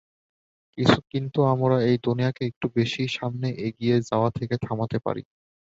কিন্তু আমরা এই দুনিয়াকে একটু বেশিই সামনে এগিয়ে যাওয়া থেকে থামাতে পারি।